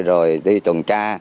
rồi đi tuần tra